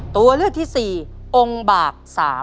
ตัวเลือกที่๔องค์บาก๓